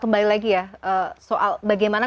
kembali lagi ya soal bagaimana